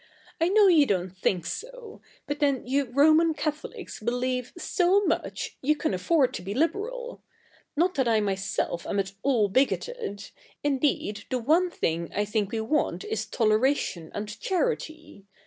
I know you don't think so ; but then you Roman Catholics believe so much, you can afford to be liberal. Not that I myself am at all bigoted ; indeed, the one thing I think we want is toleration and charity.